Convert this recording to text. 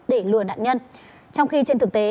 để lừa nạn nhân trong khi trên thực tế